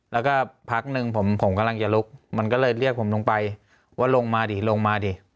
แล้วก็พักหนึ่งผมกำลังจะลุกมันก็เลยเรียกผมลงไปว่าลงมาดิลงมาดิ